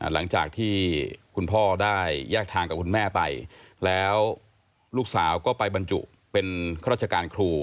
หลังจากที่คุณพ่อได้แยกทางกับคุณแม่ไปแล้วลูกสาวก็ไปบรรจุเป็นข้าราชการครู